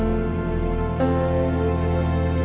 malin jangan lupa